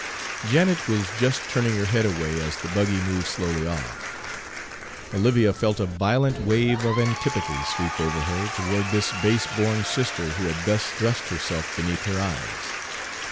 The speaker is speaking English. Janet was just turning her head away as the buggy moved slowly off. Olivia felt a violent wave of antipathy sweep over her toward this baseborn sister who had thus thrust herself beneath her eyes.